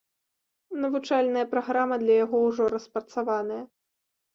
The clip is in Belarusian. Навучальная праграма для яго ўжо распрацаваная.